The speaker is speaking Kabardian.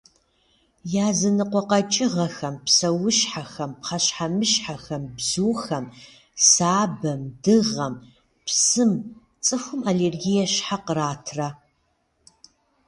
Языныкъуэ къэкӏыгъэхэм, псэущхьэхэм, пхъэщхьэмыщхьэхэм, бзухэм, сабэм, дыгъэм, псым цӏыхум аллергие щхьэ къратрэ?